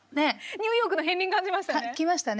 ニューヨークの片りん感じましたね。